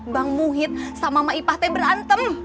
bang muhid sama maipah teh berantem